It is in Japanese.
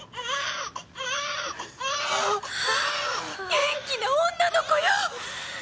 元気な女の子よ！